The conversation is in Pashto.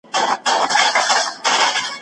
فکري وده تر مادي پرمختګ خورا ډېره مهمه ده.